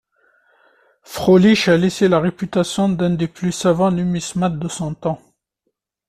Frölich a laissé la réputation d'un des plus savants numismates de son temps.